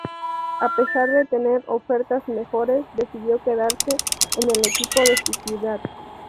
A pesar de tener ofertas mejores decidió quedarse en el equipo de su ciudad.